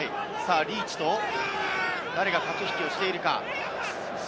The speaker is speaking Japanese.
リーチと誰が駆け引きをしているか。